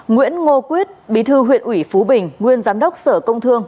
nguyễn ngô quyết bí thư huyện ủy phú bình nguyên giám đốc sở công thương